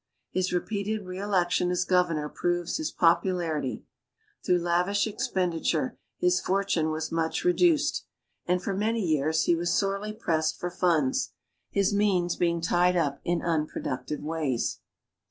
His repeated re election as Governor proves his popularity. Through lavish expenditure, his fortune was much reduced, and for many years he was sorely pressed for funds, his means being tied up in unproductive ways.